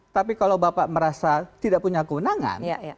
tapi kalau bapak merasa tidak punya kewenangan